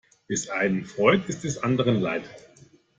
Des einen Freud ist des anderen Leid.